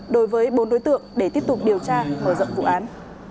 đối với bốn đối tượng để tiếp tục điều tra hồi dẫn vụ án